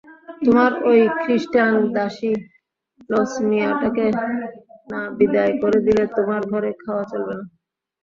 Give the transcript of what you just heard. তোমার ঐ খৃস্টান দাসী লছমিয়াটাকে না বিদায় করে দিলে তোমার ঘরে খাওয়া চলবে না।